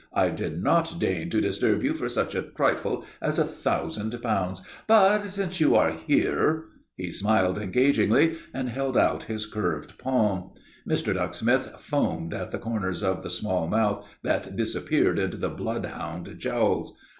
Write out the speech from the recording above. I did not deign to disturb you for such a trifle as a thousand pounds, but, since you are here " He smiled engagingly and held out his curved palm. Mr. Ducksmith foamed at the corners of the small mouth that disappeared into the bloodhound jowls.